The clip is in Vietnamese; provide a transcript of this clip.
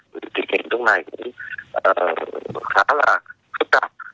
vì thì kỷ niệm lúc này cũng khá là phức tạp